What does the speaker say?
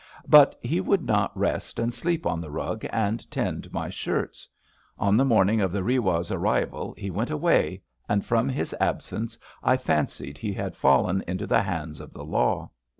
But he would not rest and sleep on the rug and tend my shirts. On the morning of the Rewdh's arrival he went away, and from his ab sence I fancied he had fallen into the hands of the law.